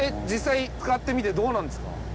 実際使ってみてどうなんですか？